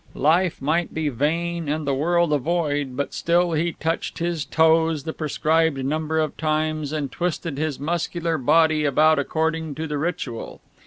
Life might be vain and the world a void, but still he touched his toes the prescribed number of times and twisted his muscular body about according to the ritual.